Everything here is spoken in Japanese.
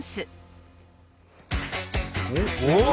おっ！